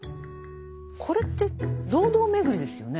これって堂々巡りですよね。